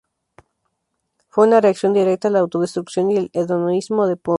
Fue una reacción directa a la autodestrucción y el hedonismo del punk.